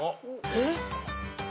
えっ！？